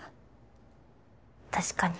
確かに。